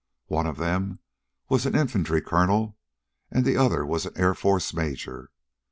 One of them was an infantry colonel, and the other was an Air Forces major.